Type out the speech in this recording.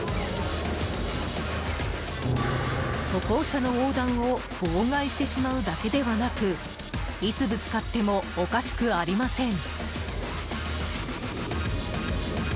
歩行者の横断を妨害してしまうだけではなくいつぶつかってもおかしくありません。